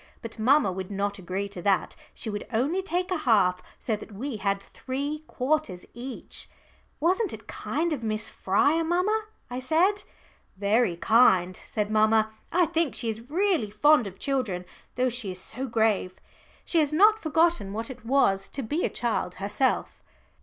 But mamma would not agree to that. She would only take a half, so that we had three quarters each. "Wasn't it kind of Miss Fryer, mamma?" I said. "Very kind," said mamma. "I think she is really fond of children though she is so grave. She has not forgotten what it was to be a child herself."